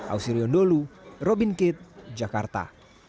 ausirion dholu robin kitt jakarta